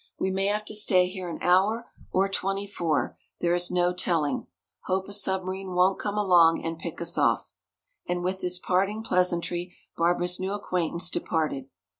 We may have to stay here an hour, or twenty four, there is no telling. Hope a submarine won't come along and pick us off." And with this parting pleasantry Barbara's new acquaintance departed.